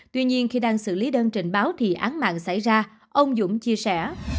tuy nhiên khi đang xử lý đơn trình báo thì án mạng xảy ra ông dũng chia sẻ